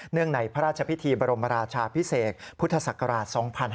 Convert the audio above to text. เนื่องไหนพระราชพิธีบรมราชาพิเศษพุทธศักราช๒๕๖๒